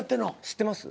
知ってます？